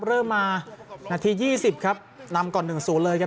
เริ่มมานาทียี่สิบครับนำก่อนหนึ่งสูงเลยครับ